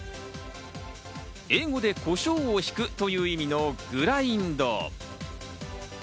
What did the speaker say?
英語でコショウをひくという意味のグラインド。